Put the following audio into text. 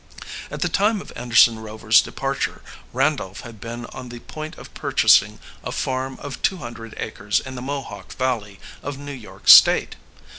At the time of Anderson Rover's departure Randolph had been on the point of purchasing a farm of two hundred acres in the Mohawk Valley of New York State.